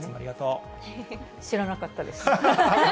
知らなかったです。